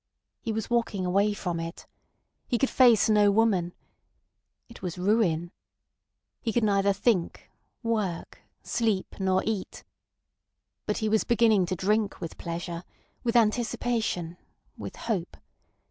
He was walking away from it. He could face no woman. It was ruin. He could neither think, work, sleep, nor eat. But he was beginning to drink with pleasure, with anticipation, with hope.